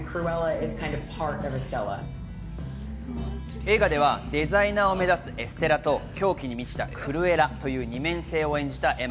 映画ではデザイナーを目指すエステラと狂気に満ちた、クルエラという二面性を演じたエマ。